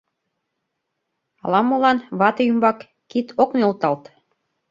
Ала-молан вате ӱмбак кид ок нӧлталт.